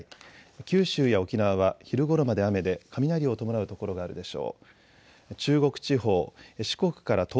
九州や沖縄は昼ごろまで雨で雷を伴う所があるでしょう。